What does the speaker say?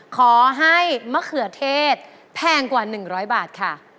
ขอให้มะเขือเทศแพงกว่า๑๐๐บาทค่ะ